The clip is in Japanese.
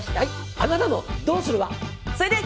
あなたのどうするは？